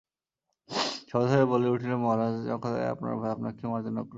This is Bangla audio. সভাসদেরা বলিয়া উঠিলেন, মহারাজ, নক্ষত্ররায় আপনার ভাই, আপনার ভাইকে মার্জনা করুন।